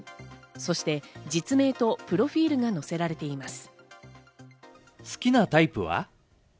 そして実名とプロフィールが載せられています。